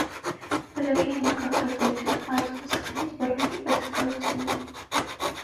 Բաժակի հիմնական տարբերությունը այլ սպասքներից բռնակի բացակայությունն է։